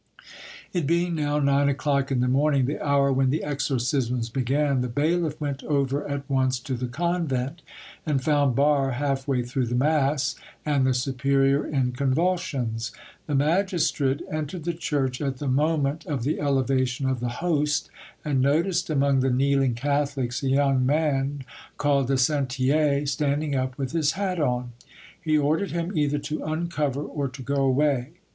It being now nine o'clock in the morning, the hour when the exorcisms began, the bailiff went over at once to the convent, and found Barre half way through the mass, and the superior in convulsions. The magistrate entered the church at the moment of the elevation of the Host, and noticed among the kneeling Catholics a young man called Dessentier standing up with his hat on. He ordered him either to uncover or to go away.